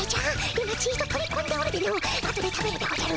今ちいと取りこんでおるのでの後で食べるでおじゃる。